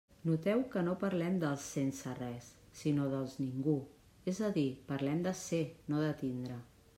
Noteu que no parlem dels «sense res», sinó dels «ningú», és a dir, parlem de ser, no de tindre.